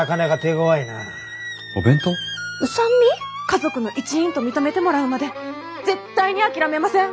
家族の一員と認めてもらうまで絶対に諦めません！